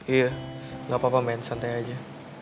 iya gak apa apa men santai aja